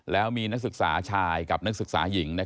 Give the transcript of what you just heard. แล้วมีนักศึกษาชายกับนักศึกษาหญิง